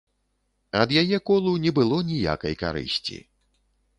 Ад яе колу не было ніякай карысці.